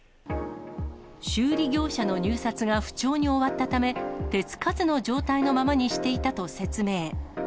修理業者の入札が不調に終わったため、手付かずの状態のままにしていたと説明。